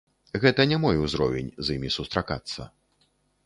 Гэта не мой узровень з імі сустракацца.